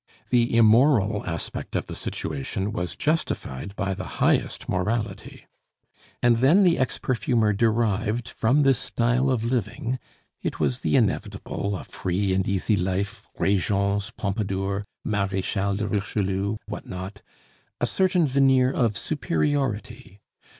The immoral aspect of the situation was justified by the highest morality. And then the ex perfumer derived from this style of living it was the inevitable, a free and easy life, Regence, Pompadour, Marechal de Richelieu, what not a certain veneer of superiority.